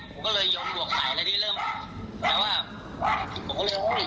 ผมก็เลยยกหัวข่ายเลยที่เริ่มแต่ว่าผมก็เลย